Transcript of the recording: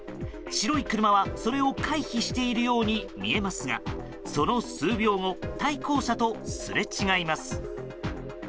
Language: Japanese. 白い車は、それを回避しているように見えますがその数秒後対向車とすれ違います。